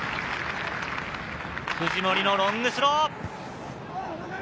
藤森のロングスロー。